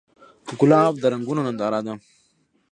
ګلاب د رنګونو ننداره ده.